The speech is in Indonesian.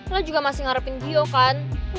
lo juga masih ngarepin bio kan